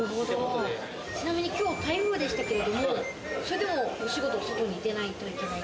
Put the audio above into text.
ちなみにきょうは台風でしたけれども、それでもお仕事は外に出ないといけない？